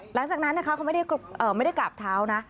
หลังจากนั้นนะคะเขาไม่ได้กราบเท้านะ